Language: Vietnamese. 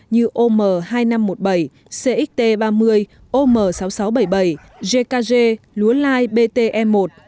như om hai nghìn năm trăm một mươi bảy cxt ba mươi om sáu nghìn sáu trăm bảy mươi bảy jk lúa lai bte một